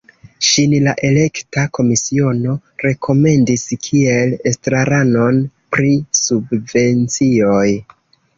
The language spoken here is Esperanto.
Ŝin la elekta komisiono rekomendis kiel estraranon pri subvencioj.